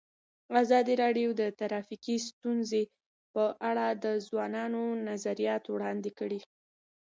ازادي راډیو د ټرافیکي ستونزې په اړه د ځوانانو نظریات وړاندې کړي.